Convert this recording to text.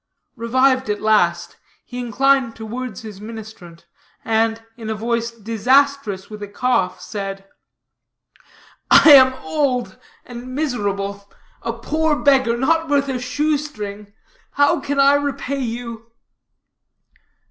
Revived at last, he inclined towards his ministrant, and, in a voice disastrous with a cough, said: "I am old and miserable, a poor beggar, not worth a shoestring how can I repay you?"